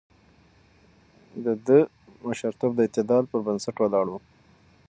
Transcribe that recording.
د ده مشرتوب د اعتدال پر بنسټ ولاړ و.